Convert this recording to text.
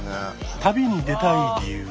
旅に出たい理由は？